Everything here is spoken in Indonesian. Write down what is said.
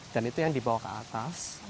dan itu yang dibawa ke atas